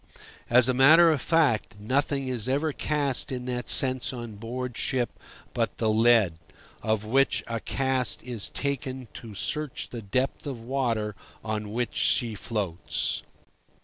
As a matter of fact, nothing is ever cast in that sense on board ship but the lead, of which a cast is taken to search the depth of water on which she floats.